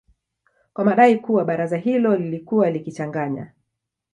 kwa madai kuwa baraza hilo lilikuwa likichanganya